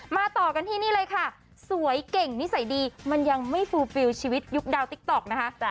ต่อกันที่นี่เลยค่ะสวยเก่งนิสัยดีมันยังไม่ฟูฟิลชีวิตยุคดาวติ๊กต๊อกนะคะ